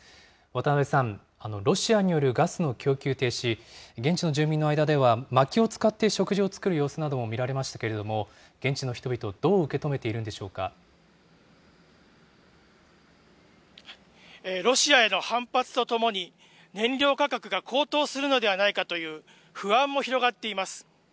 渡辺さん、ロシアによるガスの供給停止、現地の住民の間では、まきを使って食事を作る様子なども見られましたけれども、現地の人々、どう受ロシアへの反発とともに、燃料価格が高騰するのではないかという不安も広がっています。